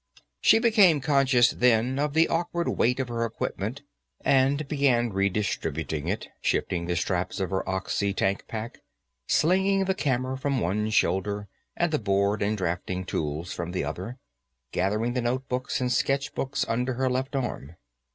She became conscious, then, of the awkward weight of her equipment, and began redistributing it, shifting the straps of her oxy tank pack, slinging the camera from one shoulder and the board and drafting tools from the other, gathering the notebooks and sketchbooks under her left arm.